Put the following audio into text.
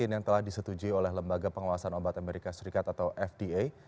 yang telah disetujui oleh lembaga pengawasan obat amerika serikat atau fda